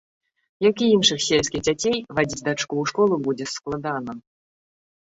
Як і іншых сельскіх дзяцей, вадзіць дачку ў школу будзе складана.